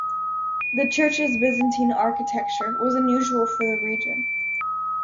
The church's Byzantine architecture was unusual for the region.